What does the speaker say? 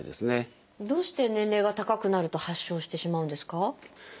どうして年齢が高くなると発症してしまうんですか？